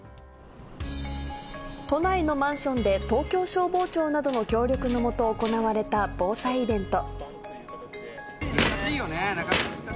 都内のマンションで東京消防庁などの協力のもと行われた防災イベント。